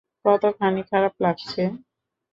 কতখানি খারাপ লাগছে?